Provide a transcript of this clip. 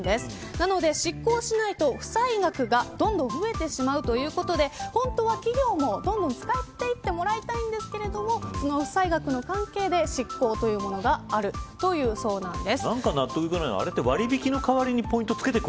なので失効しないと負債額がどんどん増えてしまうということで本当は企業もどんどん使っていってもらいたいんですけれどもその負債額の関係で失効というものがあるというそうなんです。